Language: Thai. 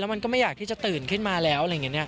มันก็ไม่อยากที่จะตื่นขึ้นมาแล้วอะไรอย่างนี้